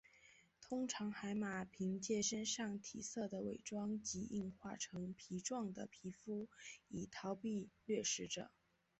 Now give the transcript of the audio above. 通常海马凭借身上体色的伪装及硬化成皮状的皮肤以逃避掠食者。